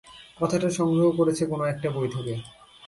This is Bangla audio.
কথাটা সংগ্রহ করেছে কোনো-একটা বই থেকে।